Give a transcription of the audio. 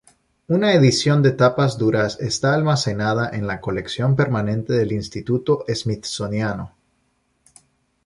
Una edición de tapas duras está almacenada en la colección permanente del Instituto Smithsoniano.